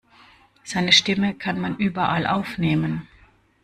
Seine Stimme kann man überall aufnehmen.